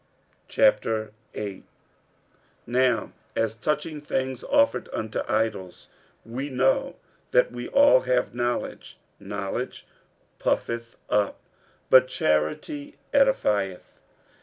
46:008:001 Now as touching things offered unto idols, we know that we all have knowledge. Knowledge puffeth up, but charity edifieth.